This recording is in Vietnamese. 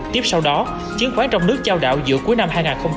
tiếp sau đó chứng khoán trong nước trao đạo giữa cuối năm hai nghìn một mươi hai